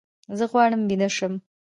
زه غواړم ویده شم